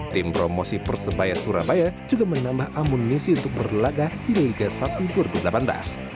tim promosi persebaya surabaya juga menambah amunisi untuk berlaga di liga satu dua ribu delapan belas